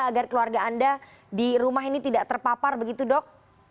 agar keluarga anda di rumah ini tidak terpapar begitu dok